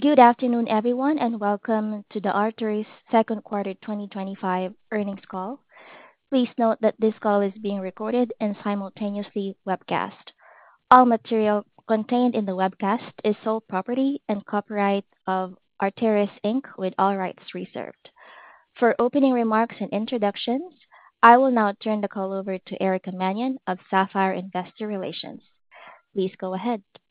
Good afternoon, everyone, and welcome to the Arteris Second Quarter 2025 Earnings Call. Please note that this call is being recorded and simultaneously webcast. All material contained in the webcast is sole property and copyright of Arteris, Inc. with all rights reserved. For opening remarks and introductions, I will now turn the call over to Erica Mannion of Sapphire Investor Relations. Please go ahead. Thank you,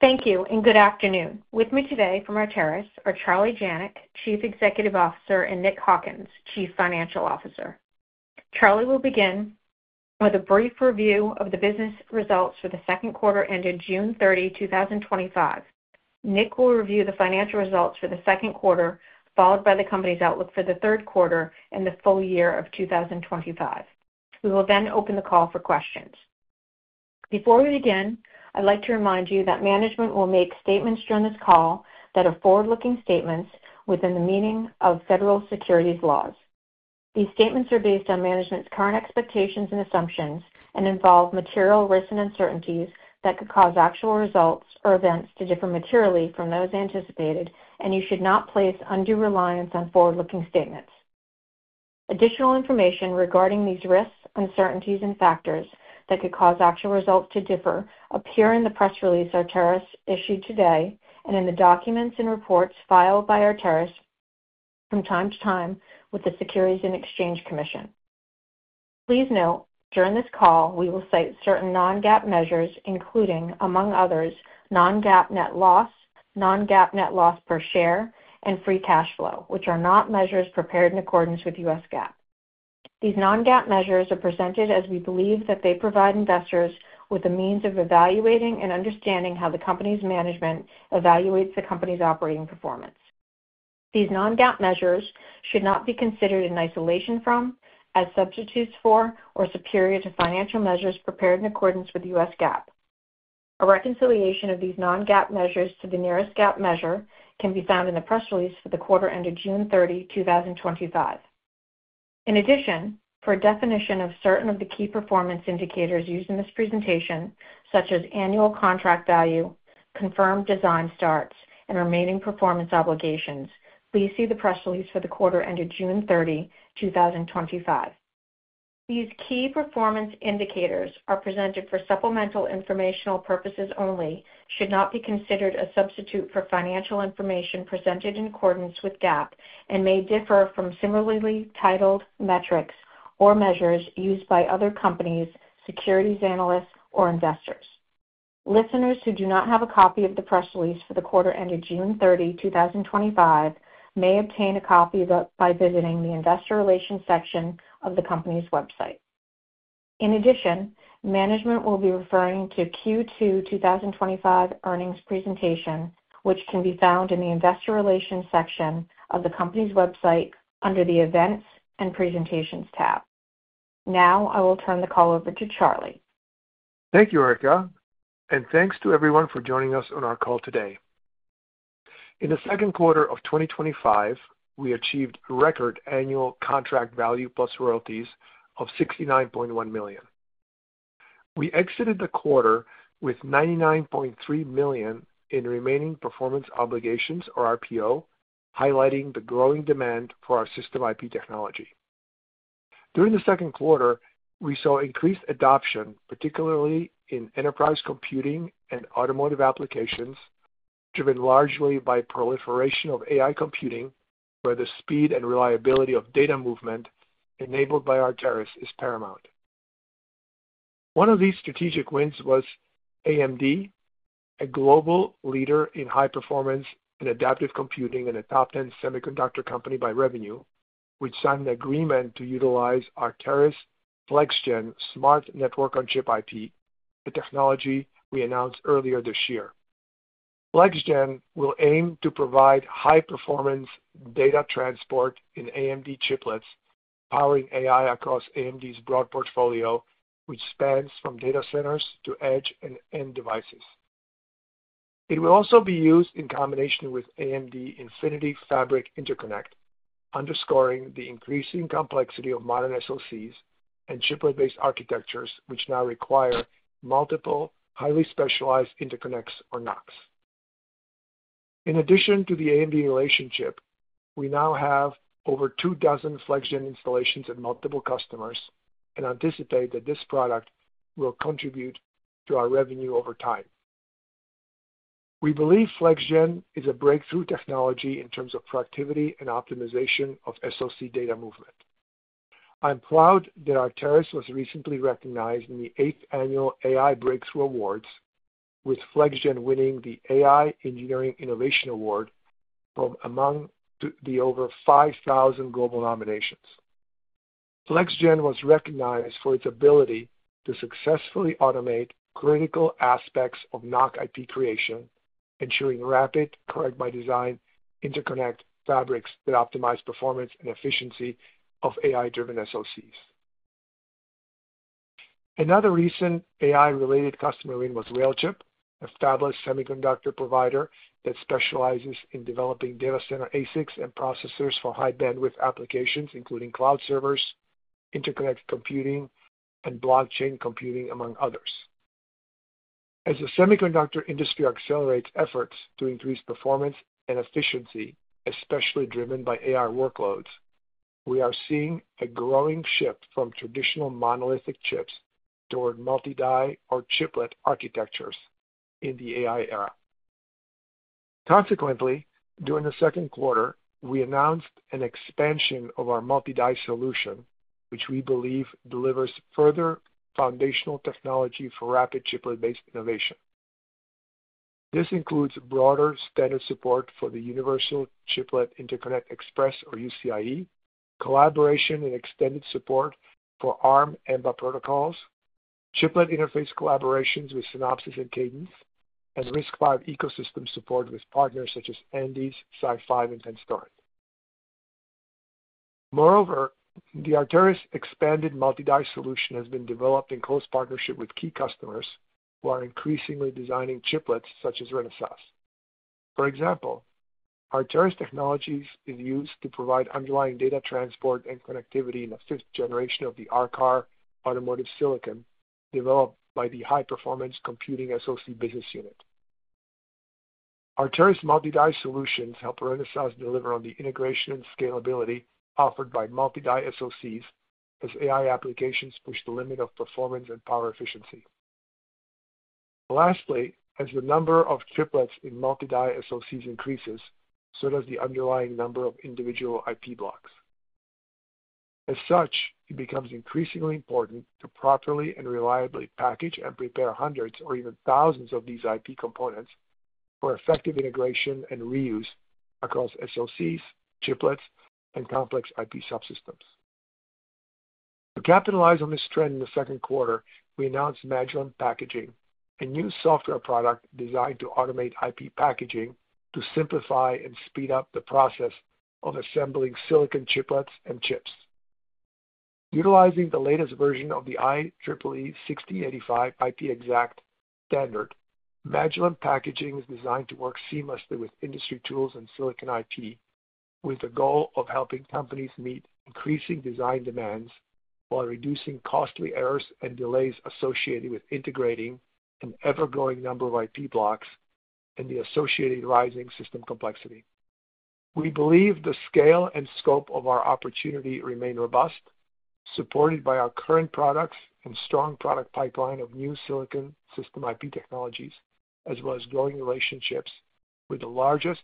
and good afternoon. With me today from Arteris are Charlie Janac, Chief Executive Officer, and Nick Hawkins, Chief Financial Officer. Charlie will begin with a brief review of the business results for the second quarter ended June 30, 2025. Nick will review the financial results for the second quarter, followed by the company's outlook for the third quarter and the full year of 2025. We will then open the call for questions. Before we begin, I'd like to remind you that management will make statements during this call that are forward-looking statements within the meaning of federal securities laws. These statements are based on management's current expectations and assumptions and involve material risks and uncertainties that could cause actual results or events to differ materially from those anticipated, and you should not place undue reliance on forward-looking statements. Additional information regarding these risks, uncertainties, and factors that could cause actual results to differ appear in the press release Arteris issued today and in the documents and reports filed by Arteris from time to time with the Securities and Exchange Commission. Please note, during this call, we will cite certain non-GAAP measures, including, among others, non-GAAP net loss, non-GAAP net loss per share, and free cash flow, which are not measures prepared in accordance with U.S. GAAP. These non-GAAP measures are presented as we believe that they provide investors with a means of evaluating and understanding how the company's management evaluates the company's operating performance. These non-GAAP measures should not be considered in isolation from, as substitutes for, or superior to financial measures prepared in accordance with U.S. GAAP. A reconciliation of these non-GAAP measures to the nearest GAAP measure can be found in the press release for the quarter ended June 30, 2025. In addition, for a definition of certain of the key performance indicators used in this presentation, such as annual contract value, confirmed design starts, and remaining performance obligations, please see the press release for the quarter ended June 30, 2025. These key performance indicators are presented for supplemental informational purposes only, should not be considered a substitute for financial information presented in accordance with GAAP, and may differ from similarly titled metrics or measures used by other companies, securities analysts, or investors. Listeners who do not have a copy of the press release for the quarter ended June 30, 2025 may obtain a copy by visiting the investor relations section of the company's website. In addition, management will be referring to Q2 2025 earnings presentation, which can be found in the investor relations section of the company's website under the events and presentations tab. Now, I will turn the call over to Charlie. Thank you, Erica, and thanks to everyone for joining us on our call today. In the second quarter of 2025, we achieved record annual contract value plus royalties of $69.1 million. We exited the quarter with $99.3 million in remaining performance obligations, or RPO, highlighting the growing demand for our system IP technology. During the second quarter, we saw increased adoption, particularly in enterprise computing and automotive applications, driven largely by proliferation of AI computing, where the speed and reliability of data movement enabled by Arteris is paramount. One of these strategic wins was AMD, a global leader in high performance in adaptive computing and a top 10 semiconductor company by revenue, which signed an agreement to utilize Arteris FlexGen smart network-on-chip IP, a technology we announced earlier this year. FlexGen will aim to provide high-performance data transport in AMD chiplets, powering AI across AMD's broad portfolio, which spans from data centers to edge and end devices. It will also be used in combination with AMD Infinity Fabric interconnect, underscoring the increasing complexity of modern SoCs and chiplet-based architectures, which now require multiple, highly specialized interconnects or NoCs. In addition to the AMD relationship, we now have over two dozen FlexGen installations at multiple customers and anticipate that this product will contribute to our revenue over time. We believe FlexGen is a breakthrough technology in terms of proactivity and optimization of SoC data movement. I'm proud that Arteris was recently recognized in the eighth annual AI Breakthrough Awards, with FlexGen winning the AI Engineering Innovation Award from among the over 5,000 global nominations. FlexGen was recognized for its ability to successfully automate critical aspects of NoC IP creation, ensuring rapid, correct-by-design interconnect fabrics that optimize performance and efficiency of AI-driven SoCs. Another recent AI-related customer win was WHALECHIP, a fabless semiconductor provider that specializes in developing data center ASICs and processors for high-bandwidth applications, including cloud servers, interconnect computing, and blockchain computing, among others. As the semiconductor industry accelerates efforts to increase performance and efficiency, especially driven by AI workloads, we are seeing a growing shift from traditional monolithic chips toward multi-die or chiplet architectures in the AI era. Consequently, during the second quarter, we announced an expansion of our multi-die solution, which we believe delivers further foundational technology for rapid chiplet-based innovation. This includes broader standard support for the Universal Chiplet Interconnect Express, or UCIe, collaboration and extended support for Arm AMBA protocols, chiplet interface collaborations with Synopsys and Cadence, as RISC-V ecosystem support with partners such as Andes, SiFive, and Tenstorrent. Moreover, the Arteris expanded multi-die solution has been developed in close partnership with key customers who are increasingly designing chiplets such as Renesas. For example, Arteris technology is used to provide underlying data transport and connectivity in the fifth-generation of the R-Car automotive silicon developed by the high performance computing SoC business unit. Arteris multi-die solutions help Renesas deliver on the integration and scalability offered by multi-die SoCs as AI applications push the limit of performance and power efficiency. Lastly, as the number of chiplets in multi-die SoCs increases, so does the underlying number of individual IP blocks. As such, it becomes increasingly important to properly and reliably package and prepare hundreds or even thousands of these IP components for effective integration and reuse across SoCs, chiplets, and complex IP subsystems. To capitalize on this trend in the second quarter, we announced Magillem Packaging, a new software product designed to automate IP packaging to simplify and speed up the process of assembling silicon chiplets and chips. Utilizing the latest version of the IEEE 1685 IP-XACT standard, Magillem Packaging is designed to work seamlessly with industry tools and silicon IP with the goal of helping companies meet increasing design demands while reducing costly errors and delays associated with integrating an ever-growing number of IP blocks and the associated rising system complexity. We believe the scale and scope of our opportunity remain robust, supported by our current products and strong product pipeline of new silicon system IP technologies, as well as growing relationships with the largest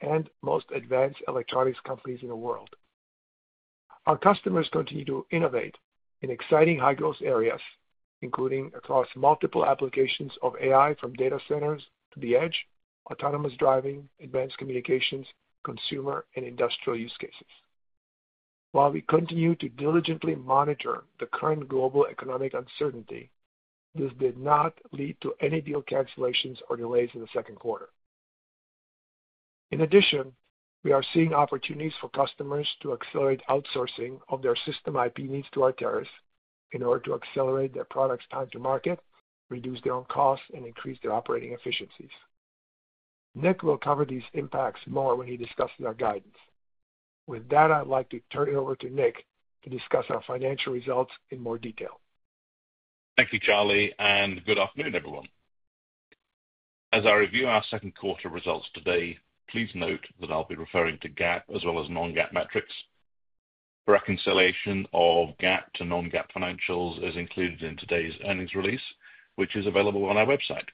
and most advanced electronics companies in the world. Our customers continue to innovate in exciting high-growth areas, including across multiple applications of AI from data centers to the edge, autonomous driving, advanced communications, consumer, and industrial use cases. While we continue to diligently monitor the current global economic uncertainty, this did not lead to any deal cancellations or delays in the second quarter. In addition, we are seeing opportunities for customers to accelerate outsourcing of their system IP needs to Arteris in order to accelerate their products' time to market, reduce their own costs, and increase their operating efficiencies. Nick will cover these impacts more when he discusses our guidance. With that, I'd like to turn it over to Nick to discuss our financial results in more detail. Thank you, Charlie, and good afternoon, everyone. As I review our second quarter results today, please note that I'll be referring to GAAP as well as non-GAAP metrics. The reconciliation of GAAP to non-GAAP financials is included in today's earnings release, which is available on our website.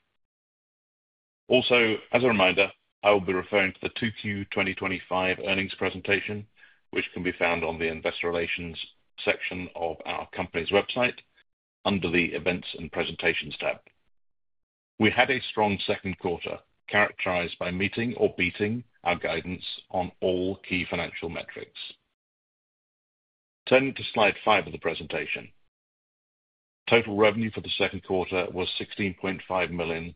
Also, as a reminder, I will be referring to the Q2 2025 earnings presentation, which can be found on the investor relations section of our company's website under the events and presentations tab. We had a strong second quarter characterized by meeting or beating our guidance on all key financial metrics. Turning to slide five of the presentation, total revenue for the second quarter was $16.5 million,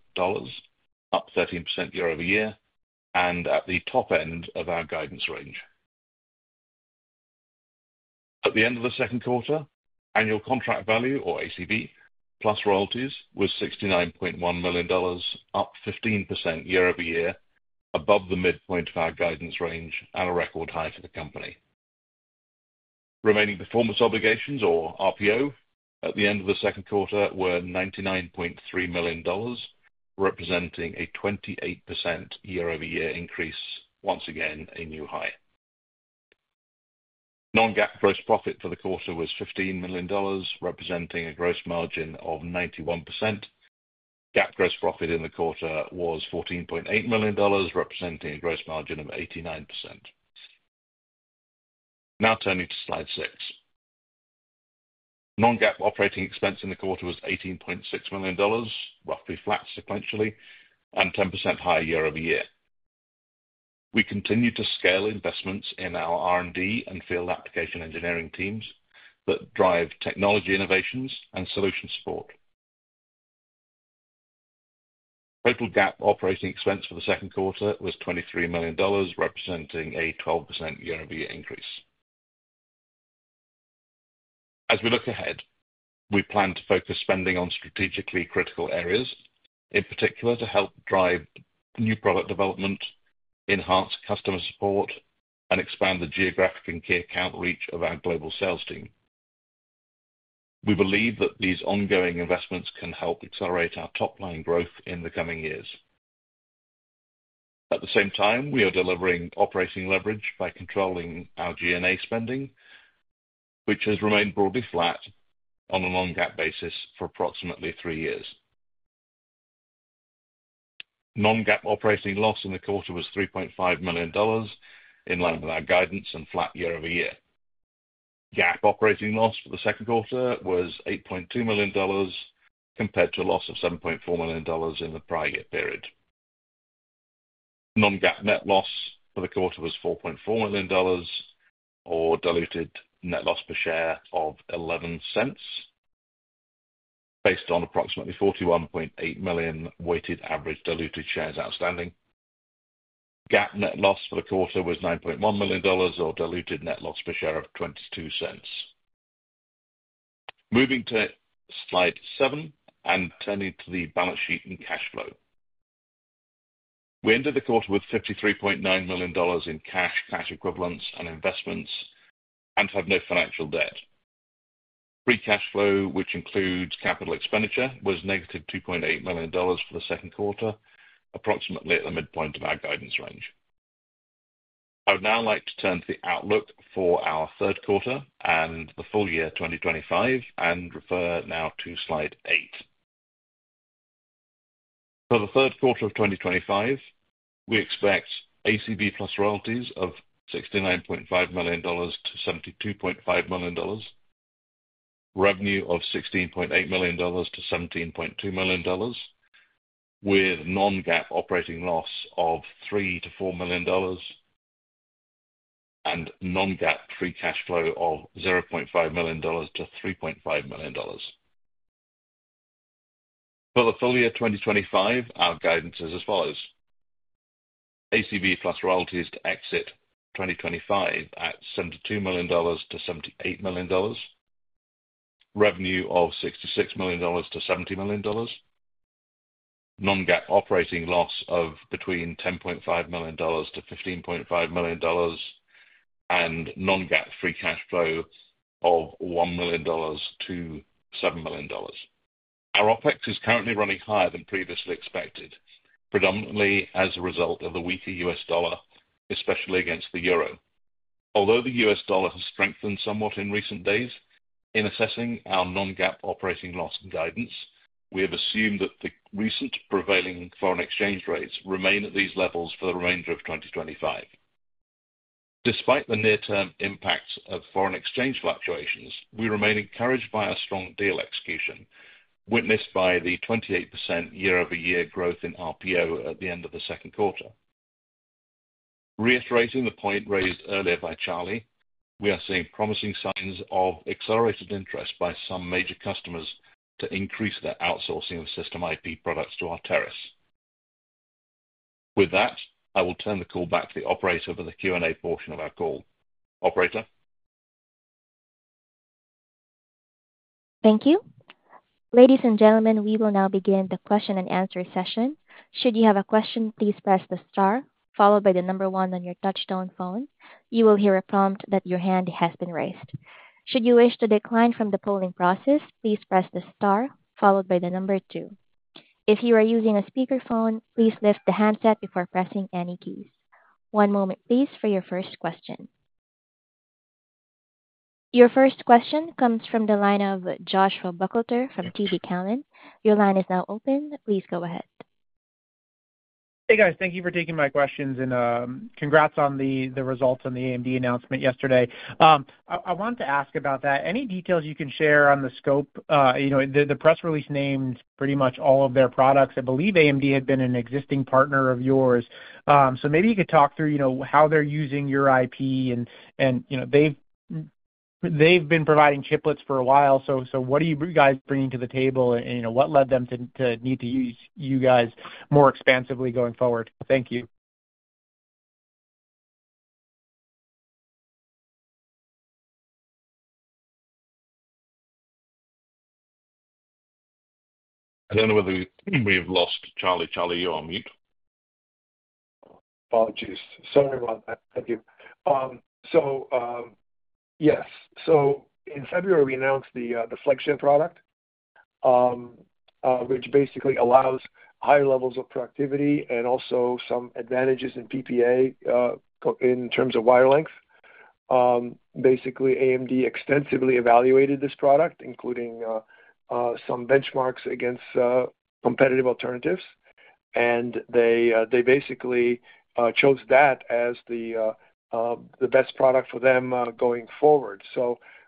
up 13% year-over-year, and at the top end of our guidance range. At the end of the second quarter, annual contract value, or ACV, plus royalties was $69.1 million, up 15% year-over-year, above the midpoint of our guidance range, our record high for the company. Remaining performance obligations, or RPO, at the end of the second quarter were $99.3 million, representing a 28% year-over-year increase, once again a new high. Non-GAAP gross profit for the quarter was $15 million, representing a gross margin of 91%. GAAP gross profit in the quarter was $14.8 million, representing a gross margin of 89%. Now turning to slide six, non-GAAP operating expense in the quarter was $18.6 million, roughly flat sequentially, and 10% higher year-over-year. We continue to scale investments in our R&D and field application engineering teams that drive technology innovations and solution support. Total GAAP operating expense for the second quarter was $23 million, representing a 12% year-over-year increase. As we look ahead, we plan to focus spending on strategically critical areas, in particular to help drive new product development, enhance customer support, and expand the geographic and key account reach of our global sales team. We believe that these ongoing investments can help accelerate our top-line growth in the coming years. At the same time, we are delivering operating leverage by controlling our G&A spending, which has remained broadly flat on a non-GAAP basis for approximately three years. Non-GAAP operating loss in the quarter was $3.5 million, in line with our guidance and flat year-over-year. GAAP operating loss for the second quarter was $8.2 million, compared to a loss of $7.4 million in the prior year period. Non-GAAP net loss for the quarter was $4.4 million, or diluted net loss per share of $0.11, based on approximately 41.8 million weighted average diluted shares outstanding. GAAP net loss for the quarter was $9.1 million, or diluted net loss per share of $0.22. Moving to slide seven and turning to the balance sheet and cash flow, we ended the quarter with $53.9 million in cash, cash equivalents, and investments and have no financial debt. Free cash flow, which includes capital expenditure, was -$2.8 million for the second quarter, approximately at the midpoint of our guidance range. I would now like to turn to the outlook for our third quarter and the full year 2025 and refer now to slide eight. For the third quarter of 2025, we expect ACV plus royalties of $69.5 million-$72.5 million, revenue of $16.8 million-$17.2 million, with non-GAAP operating loss of $3 million-$4 million, and non-GAAP free cash flow of $0.5 million-$3.5 million. For the full year 2025, our guidance is as follows: ACV plus royalties to exit 2025 at $72 million-$78 million, revenue of $66 million-$70 million, non-GAAP operating loss of between $10.5 million-$15.5 million, and non-GAAP free cash flow of $1 million-$7 million. Our OpEx is currently running higher than previously expected, predominantly as a result of the weaker U.S. dollar, especially against the euro. Although the U.S. dollar has strengthened somewhat in recent days, in assessing our non-GAAP operating loss and guidance, we have assumed that the recent prevailing foreign exchange rates remain at these levels for the remainder of 2025. Despite the near-term impacts of foreign exchange fluctuations, we remain encouraged by our strong deal execution, witnessed by the 28% year-over-year growth in RPO at the end of the second quarter. Reiterating the point raised earlier by Charlie, we are seeing promising signs of accelerated interest by some major customers to increase their outsourcing of system IP products to Arteris. With that, I will turn the call back to the operator for the Q&A portion of our call. Operator. Thank you. Ladies and gentlemen, we will now begin the question-and-answer session. Should you have a question, please press the star, followed by the number one on your touch-tone phone. You will hear a prompt that your hand has been raised. Should you wish to decline from the polling process, please press the star, followed by the number two. If you are using a speakerphone, please lift the handset before pressing any keys. One moment, please, for your first question. Your first question comes from the line of Josh Buchalter from TD Cowen. Your line is now open. Please go ahead. Hey, guys, thank you for taking my questions, and congrats on the results on the AMD announcement yesterday. I wanted to ask about that. Any details you can share on the scope? The press release named pretty much all of their products. I believe AMD had been an existing partner of yours. Maybe you could talk through how they're using your IP, and they've been providing chiplets for a while. What are you guys bringing to the table, and what led them to need to use you guys more expansively going forward? Thank you. I don't know whether we've lost Charlie. Charlie, you're on mute. Apologies. Sorry, everyone. I have you. In February, we announced the FlexGen product, which basically allows higher levels of productivity and also some advantages in PPA in terms of wire length. AMD extensively evaluated this product, including some benchmarks against competitive alternatives, and they basically chose that as the best product for them going forward.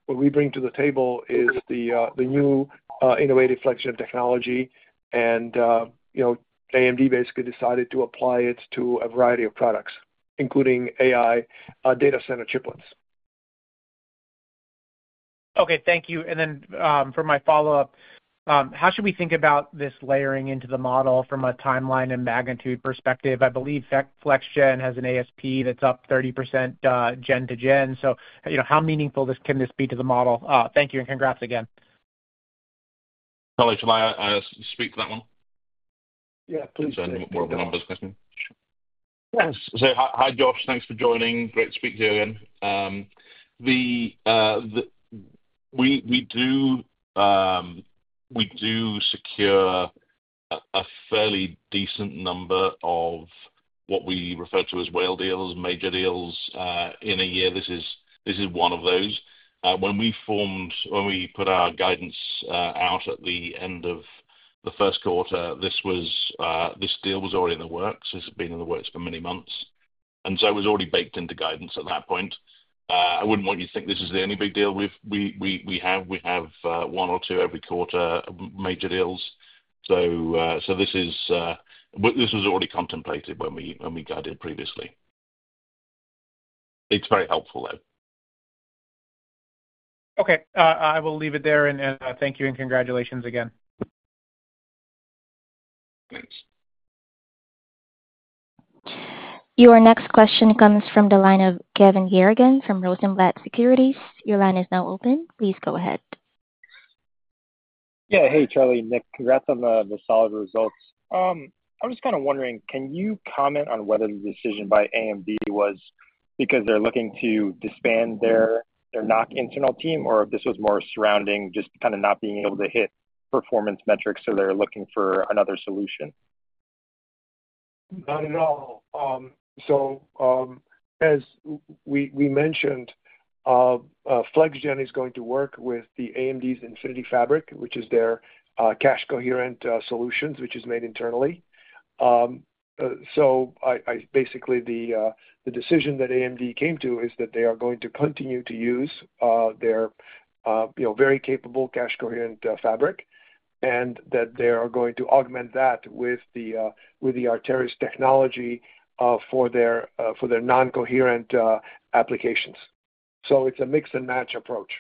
What we bring to the table is the new innovative FlexGen technology, and you know, AMD basically decided to apply it to a variety of products, including AI data center chiplets. Thank you. For my follow-up, how should we think about this layering into the model from a timeline and magnitude perspective? I believe FlexGen has an ASP that's up 30% gen-to-gen, so you know, how meaningful can this be to the model? Thank you, and congrats again. Charlie, should I speak to that one? Yeah, please. Because I remember what number is questioning. Yes, so hi, Josh. Thanks for joining. Great to speak to you again. We do secure a fairly decent number of what we refer to as whale deals, major deals in a year. This is one of those. When we put our guidance out at the end of the first quarter, this deal was already in the works. This has been in the works for many months. It was already baked into guidance at that point. I wouldn't want you to think this is the only big deal we have. We have one or two every quarter, major deals. This was already contemplated when we guided previously. It's very helpful, though. Okay, I will leave it there, and thank you, and congratulations again. Your next question comes from the line of Kevin Garrigan from Rosenblatt Securities. Your line is now open. Please go ahead. Yeah, hey, Charlie, Nick, congrats on the solid results. I was just wondering, can you comment on whether the decision by AMD was because they're looking to disband their NoC internal team, or if this was more surrounding just not being able to hit performance metrics, so they're looking for another solution? Not at all. As we mentioned, FlexGen is going to work with AMD's Infinity Fabric, which is their cache coherent solutions, which is made internally. Basically, the decision that AMD came to is that they are going to continue to use their very capable cache coherent fabric and that they are going to augment that with the Arteris technology for their non-coherent applications. It's a mix and match approach.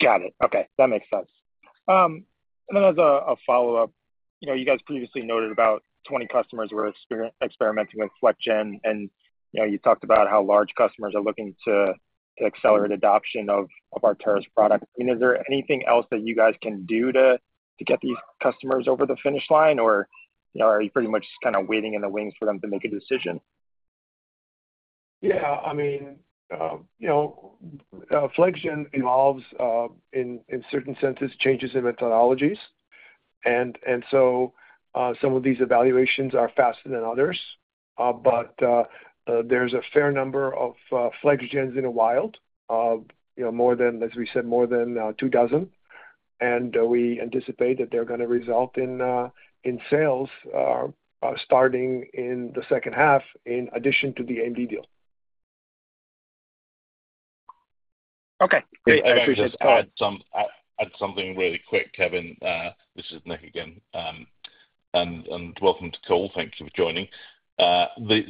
Got it. Okay, that makes sense. As a follow-up, you know, you guys previously noted about 20 customers were experimenting with FlexGen, and you talked about how large customers are looking to accelerate adoption of Arteris product. I mean, is there anything else that you guys can do to get these customers over the finish line, or are you pretty much just kind of waiting in the wings for them to make a decision? Yeah, I mean, FlexGen evolves, in certain senses, changes in methodologies. Some of these evaluations are faster than others. There's a fair number of FlexGens in the wild, more than, as we said, more than two dozen. We anticipate that they're going to result in sales starting in the second half, in addition to the AMD deal. Okay, great. I appreciate the call. I'll add something really quick, Kevin. This is Nick again. Welcome to the call. Thank you for joining. The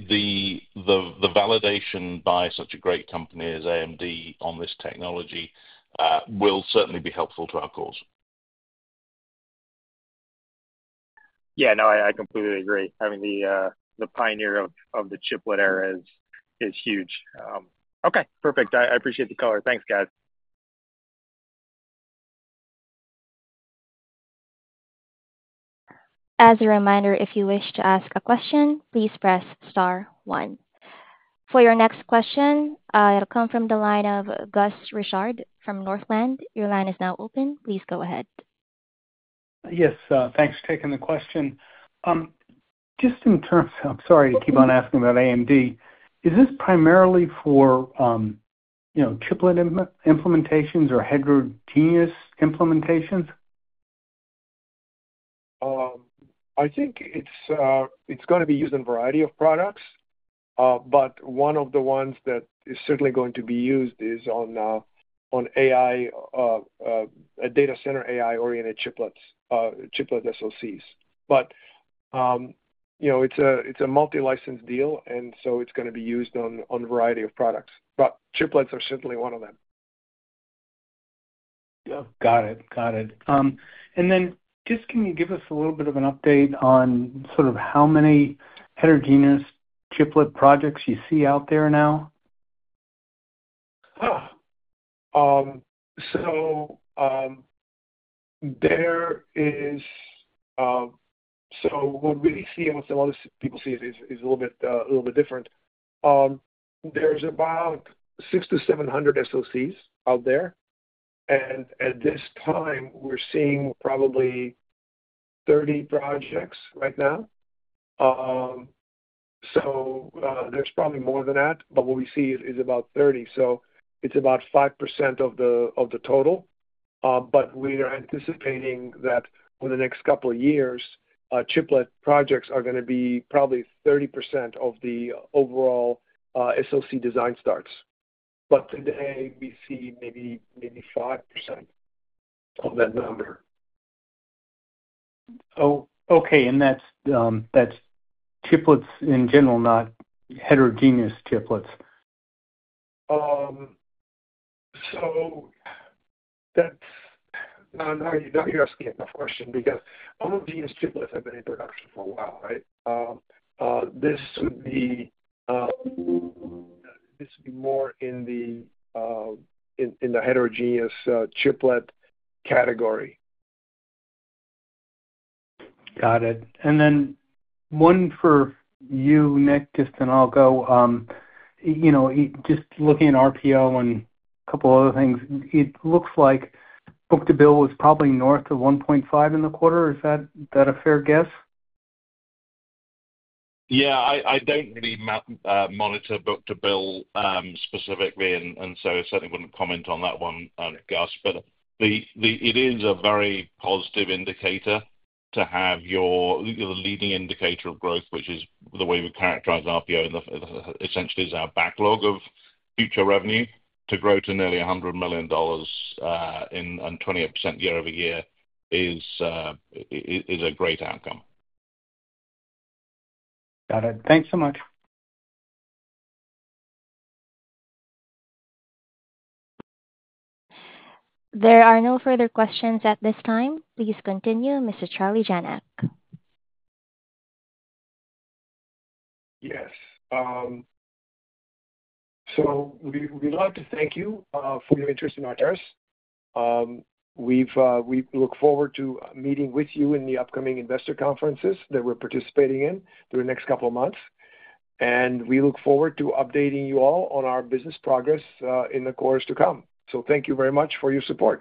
validation by such a great company as AMD on this technology will certainly be helpful to our calls. Yeah, no, I completely agree. I mean, the pioneer of the chiplet era is huge. Okay, perfect. I appreciate the call. Thanks, guys. As a reminder, if you wish to ask a question, please press star one. For your next question, it'll come from the line of Gus Richard from Northland. Your line is now open. Please go ahead. Yes, thanks for taking the question. Just in terms of, I'm sorry to keep on asking about AMD, is this primarily for, you know, chiplet implementations or heterogeneous implementations? I think it's going to be used in a variety of products. One of the ones that is certainly going to be used is on AI, data center AI-oriented chiplets, chiplet SoCs. You know, it's a multi-license deal, and so it's going to be used on a variety of products. Chiplets are certainly one of them. Got it. Can you give us a little bit of an update on sort of how many heterogeneous chiplet projects you see out there now? What we see, and what a lot of people see, is a little bit different. There's about 600-700 SoCs out there. At this time, we're seeing probably 30 projects right now. There's probably more than that, but what we see is about 30. It's about 5% of the total. We are anticipating that over the next couple of years, chiplet projects are going to be probably 30% of the overall SoC design starts. Today, we see maybe 5% of that number. Okay. That's chiplets in general, not heterogeneous chiplets. That's not your skin of question because homogeneous chiplets have been in production for a while, right? This would be more in the heterogeneous chiplet category. Got it. One for you, Nick, just an algo. Just looking at RPO and a couple of other things, it looks like book-to-bill was probably north of [1.5x] in the quarter. Is that a fair guess? Yeah, I don't really monitor book-to-bill specifically, and I certainly wouldn't comment on that one on Gus. It is a very positive indicator to have your leading indicator of growth, which is the way we characterize RPO, and essentially is our backlog of future revenue, to grow to nearly $100 million and 28% year-over-year is a great outcome. Got it. Thanks so much. There are no further questions at this time. Please continue, Mr. Charlie Janac. Yes. We'd like to thank you for your interest in Arteris. We look forward to meeting with you in the upcoming investor conferences that we're participating in through the next couple of months. We look forward to updating you all on our business progress in the quarters to come. Thank you very much for your support.